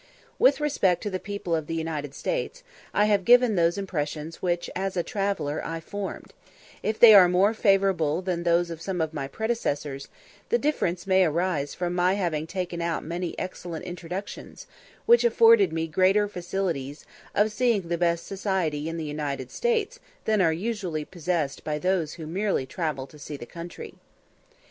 With respect to the people of the United States, I have given those impressions which as a traveller I formed; if they are more favourable than those of some of my predecessors, the difference may arise from my having taken out many excellent introductions, which afforded me greater facilities of seeing the best society in the States than are usually possessed by those who travel merely to see the country.